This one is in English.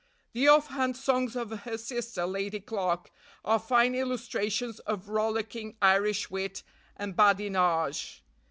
The off hand songs of her sister, Lady Clarke, are fine illustrations of rollicking Irish wit and badinage.